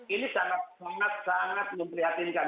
ini sangat sangat memprihatinkan